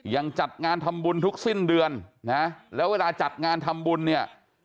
จัดงานทำบุญทุกสิ้นเดือนนะแล้วเวลาจัดงานทำบุญเนี่ย